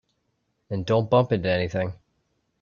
And don't bump into anything.